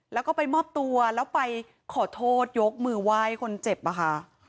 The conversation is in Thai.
แล้วก็ไปมอบตัวแล้วไปขอโทษยกมือไหว้คนเจ็บอะค่ะ